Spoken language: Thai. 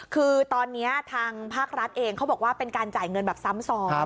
คือตอนนี้ทางภาครัฐเองเขาบอกว่าเป็นการจ่ายเงินแบบซ้ำซ้อน